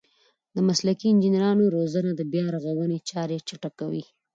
د مسلکي انجنیرانو روزنه د بیارغونې چارې چټکوي.